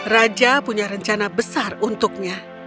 raja punya rencana besar untuknya